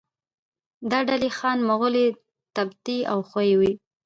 دا ډلې خان، مغولي، تبتي او خویي وو.